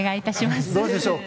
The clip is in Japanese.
どうでしょう？